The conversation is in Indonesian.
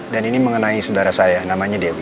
dan ini mengenai saudara saya namanya dewi